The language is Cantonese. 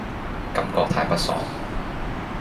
感覺太不爽